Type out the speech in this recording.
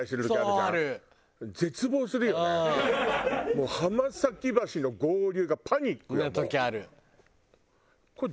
もう浜崎橋の合流がパニックよもう。